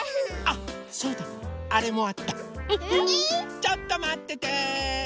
ちょっとまってて。